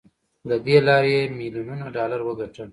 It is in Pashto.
له دې لارې يې ميليونونه ډالر وګټل.